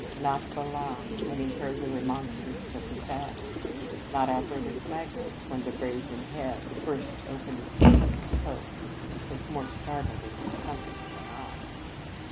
Not Balaam, when he heard the remonstrance of his ass, not Albertus Magnus, when the brazen head first opened its lips and spoke, was more startled and discomfited than I.